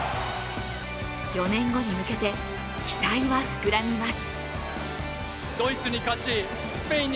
４年後に向けて期待は膨らみます。